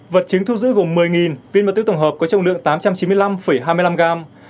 vật chứng thu giữ gồm một mươi viên ma túy tổng hợp có trọng lượng tám trăm chín mươi năm hai mươi năm gram